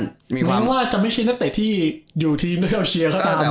รู้หรือว่าจะไม่ใช่นักเตะที่อยู่ทีมด้วยไปเชียร์ขนาดนั้น